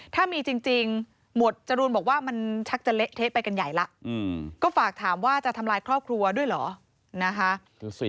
ถ้ามีจริงหมวดจรูนบอกว่ามันชักจะเละเทะไปกันใหญ่แล้วก็ฝากถามว่าจะทำลายครอบครัวด้วยเหรอนะคะ